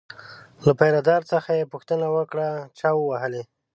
له پیره دار څخه یې پوښتنه وکړه چا ووهلی.